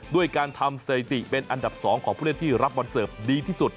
ด้วยการทำสถิติเป็นอันดับ๒ของผู้เล่นที่รับบอลเสิร์ฟดีที่สุด